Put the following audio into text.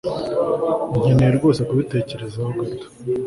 nkeneye rwose kubitekerezaho gato